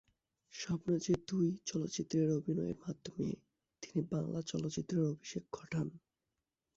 স্বপ্ন যে তুই চলচ্চিত্রে অভিনয়ের মাধ্যমে তিনি বাংলা চলচ্চিত্রে অভিষেক ঘটান।